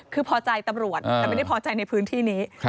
คือพอใจตำรวจแต่ไม่ได้พอใจในพื้นที่นี้